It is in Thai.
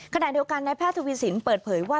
ขณะเดียวกันนายแพทย์ทวีสินเปิดเผยว่า